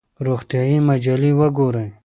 روغتیایي مجلې وګورئ.